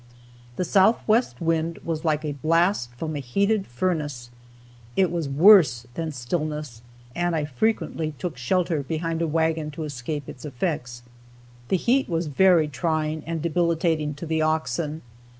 The southwest wind was like a blast from a heated furnace. It was worse than stillness, and I frequently took shelter behind a wagon to escape its effects. This heat was very trying and debilitating to the oxen.